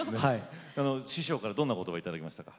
師匠からどんな言葉を頂きましたか？